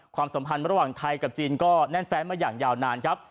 สัมพันธ์ระหว่างไทยกับจีนก็แน่นแฟนมาอย่างยาวนานครับ